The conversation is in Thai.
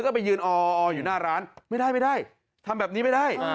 ก็ไปยืนอออยู่หน้าร้านไม่ได้ไม่ได้ทำแบบนี้ไม่ได้